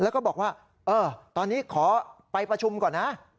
แล้วก็บอกว่าเออตอนนี้ขอไปประชุมก่อนนะ